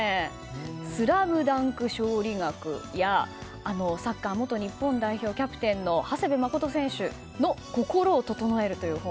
「スラムダンク勝利学」やサッカー元日本代表キャプテンの長谷部誠選手の「心を整える。」という本。